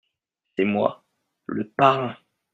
c'est moi … le parrain !